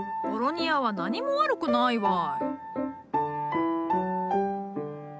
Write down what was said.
ボロニアは何も悪くないわい。